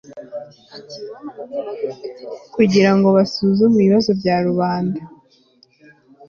kugira ngo basuzume ibibazo bya rubanda